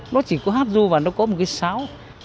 nó chỉ có hát du và nó có một cái sáo